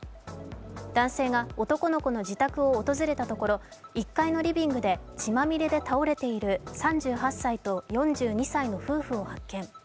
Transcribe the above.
男性が男の子の自宅を訪れたところ１階のリビングで血まみれで倒れている３８歳と４２歳の夫婦を発見。